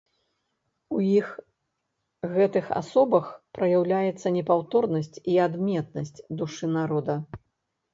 У іх гэтых асобах праяўляецца непаўторнасць і адметнасць душы народа.